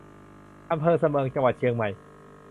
อำเภอสะเมิง จังหวัดเชียงใหม่